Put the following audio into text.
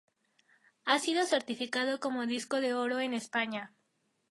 Ha sido certificado como disco de oro en España.